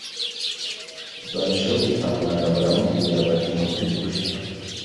Barushaho gutangara baramubwira bati mu by ukuri